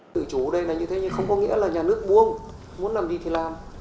tự chủ ở đây là như thế nhưng không có nghĩa là nhà nước buông muốn làm đi thì làm